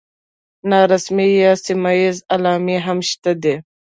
نارسمي یا سیمه ییزې علامې هم شته دي.